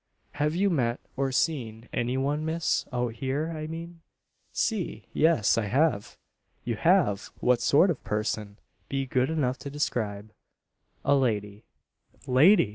"Have you met, or seen, any one, miss out here, I mean?" "Si yes I have." "You have! What sort of person? Be good enough to describe " "A lady." "Lady!"